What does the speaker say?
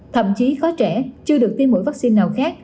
thậm chí có trẻ chưa được tiêm mũi vaccine nào khác